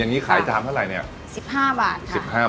อย่างนี้ขายจามเท่าไหร่เนี่ย๑๕บาท